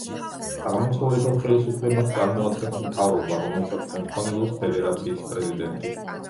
აღმასრულებელ ხელისუფლებას წარმოადგენს მთავრობა, რომელსაც ხელმძღვანელობს ფედერაციის პრეზიდენტი.